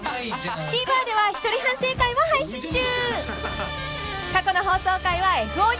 ［ＴＶｅｒでは一人反省会も配信中］